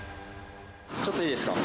ちょっといいですか？